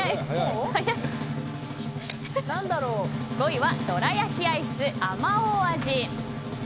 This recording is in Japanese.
５位はどら焼きアイスあまおう味。